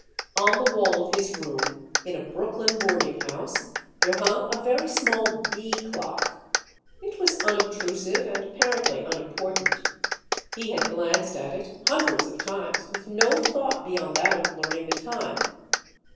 On the wall of his room in a Brooklyn boarding house there hung a very small "Bee" clock. It was unobtrusive and apparently unimportant. He had glanced at it hundreds of times with no thought beyond that of learning the time.